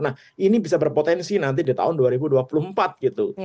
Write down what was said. nah ini bisa berpotensi nanti di tahun dua ribu dua puluh empat gitu